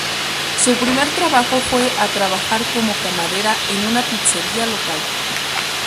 Su primer trabajo fue a trabajar como camarera en una pizzería local.